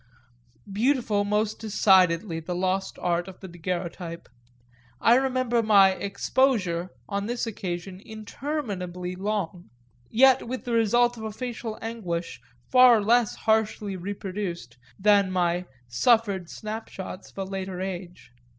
Beautiful most decidedly the lost art of the daguerreotype; I remember the "exposure" as on this occasion interminably long, yet with the result of a facial anguish far less harshly reproduced than my suffered snapshots of a later age.